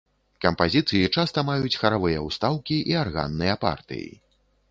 Кампазіцыі часта маюць харавыя ўстаўкі і арганныя партыі.